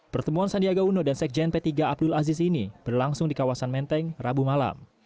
pertemuan sandiaga uno dan sekjen p tiga abdul aziz ini berlangsung di kawasan menteng rabu malam